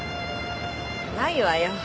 ないわよ。